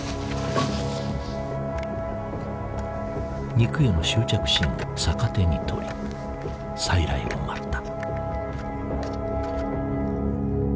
肉への執着心を逆手に取り再来を待った。